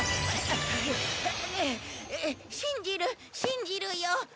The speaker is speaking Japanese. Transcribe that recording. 信じる信じるよ。